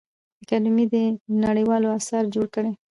اکاډمي دي نړیوال اثار جوړ کړي.